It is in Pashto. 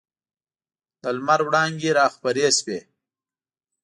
د لمر وړانګي راخورې سوې.